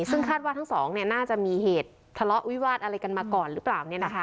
ซึ่งคาดว่าทั้งสองน่าจะมีเหตุทะเลาะวิวาสอะไรกันมาก่อนหรือเปล่า